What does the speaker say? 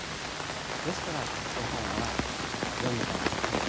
ですから絵本は読んでもらうに限る。